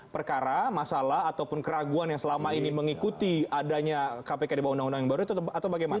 perkara masalah ataupun keraguan yang selama ini mengikuti adanya kpk di bawah undang undang yang baru atau bagaimana